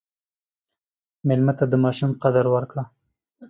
مېلمه ته د ماشوم قدر ورکړه.